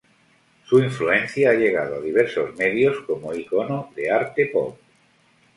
Su influencia ha llegado a diversos medios como icono de arte pop.